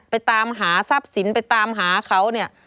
ไปตามหาทรัพย์สินไปตามหาเขา